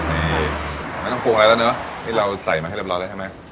นี่ไม่ต้องปรุงอะไรแล้วเนอะที่เราใส่มาให้เรียบร้อยแล้วใช่ไหม